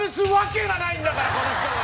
この人が！